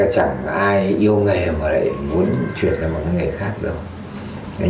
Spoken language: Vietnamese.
chẳng ai yêu nghề mà lại muốn chuyển sang một cái nghề khác đâu